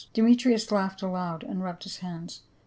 Demetrius laughed aloud and rubbed his hands.